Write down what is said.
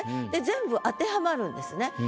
で全部当てはまるんですね。